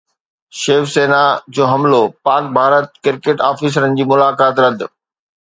شيو سينا جو حملو، پاڪ-ڀارت ڪرڪيٽ آفيسرن جي ملاقات رد